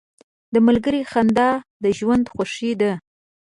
• د ملګري خندا د ژوند خوښي ده.